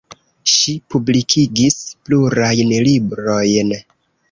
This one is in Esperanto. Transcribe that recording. Ŝi publikigis plurajn librojn.